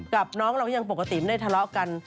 กับน้องเราก็ยังปกติไม่ได้ทะเลาะกัน